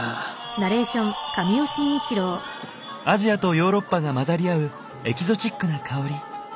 アジアとヨーロッパが混ざり合うエキゾチックな薫り。